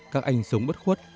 các anh sống bất khuất